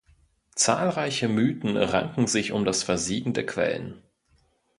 Zahlreiche Mythen ranken sich um das Versiegen der Quellen.